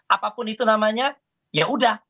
apapun itu namanya ya udah